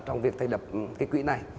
trong việc thành lập cái quỹ này